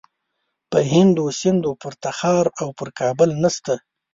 په هند و سند و پر تخار او پر کابل نسته.